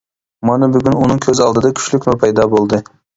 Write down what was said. مانا بۈگۈن ئۇنىڭ كۆز ئالدىدا كۈچلۈك نۇر پەيدا بولدى.